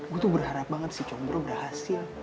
gue tuh berharap banget si combro berhasil